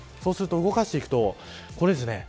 動かしていくと、これですね。